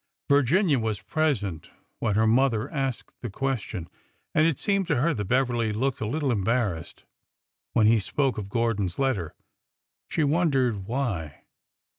Virginia was present when her mother asked the question, and it seemed to her that Bev erly looked a little embarrassed when he spoke of Gor don's letter. She wondered why.